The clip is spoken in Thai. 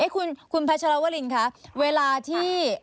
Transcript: คุณพัชรวรินคะเวลาที่